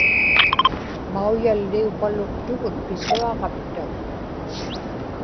mauyalliupaluktugut pisuaġapta